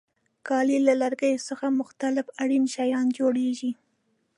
کالي له لرګیو څخه مختلف اړین شیان جوړیږي.